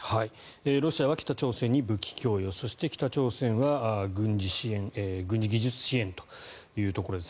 ロシアは北朝鮮に武器供与そして、北朝鮮は軍事技術支援というところです。